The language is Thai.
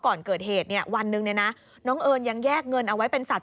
ก่อนเกิดเหตุเนี่ยวันหนึ่งน้องเอิญยังแยกเงินเอาไว้เป็นสัตว